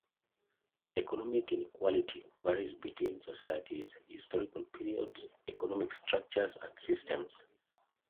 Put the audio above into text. Economic inequality varies between societies, historical periods, economic structures and systems.